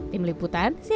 tim liputan cnn ing